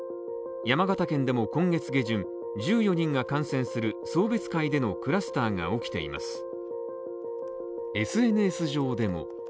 山形県でも今月下旬、１４人が感染する送別会でのクラスターが起きています。